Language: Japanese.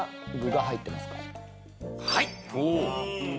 はい。